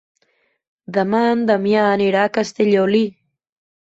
Demà en Damià anirà a Castellolí.